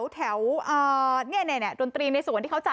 แถวนี่นี่ดนตรีในสวนที่เขาจัด